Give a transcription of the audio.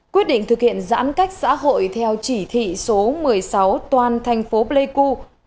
quyết định thực hiện giãn cách xã hội theo chỉ thị số một mươi sáu toàn thành phố pleiku